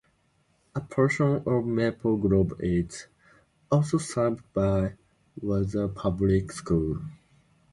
A portion of Maple Grove is also served by Wayzata Public Schools.